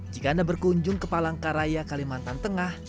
jika anda berkunjung ke palangkaraya kalimantan tengah